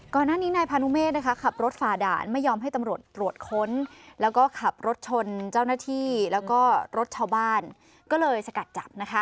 ก่อนหน้านี้นายพานุเมฆขับรถฝ่าด่านไม่ยอมให้ตำรวจตรวจค้นแล้วก็ขับรถชนเจ้าหน้าที่แล้วก็รถชาวบ้านก็เลยสกัดจับนะคะ